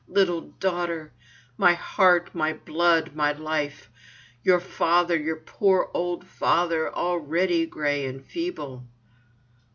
Little daughter! My heart! my blood, my life! Your father, your poor old father, already grey and feeble."